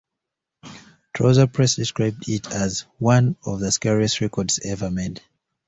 "Trouser Press" described it as "one of the scariest records ever made".